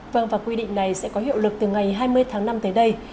vâng và quy định này sẽ có hiệu lực từ ngày hai mươi tháng năm tới đây